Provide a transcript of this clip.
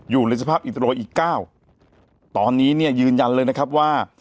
อยู่ในสภาพอินเตอร์อีกเก้าตอนนี้เนี่ยยืนยันเลยนะครับว่า